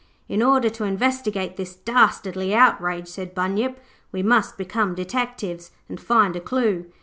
'In order to investigate this dastardly outrage,' said Bunyip, 'we must become detectives, and find a clue.